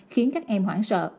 khiến các em hoảng sợ